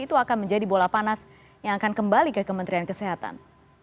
itu akan menjadi bola panas yang akan kembali ke kementerian kesehatan